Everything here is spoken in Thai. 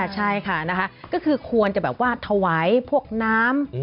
ใช่ค่ะนะคะก็คือควรจะแบบว่าถวายพวกน้ำ